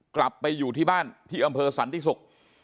กลับไปอยู่ที่บ้านที่อำเภอสันติศุกร์